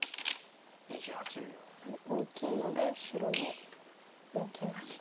大きいので白も抜きました。